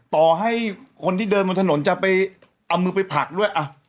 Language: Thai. ต่อให้คนที่เดินบนถนนจะไปเอามือไปผลักด้วย